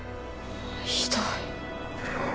ひどい。